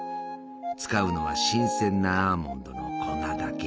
使うのは新鮮なアーモンドの粉だけ。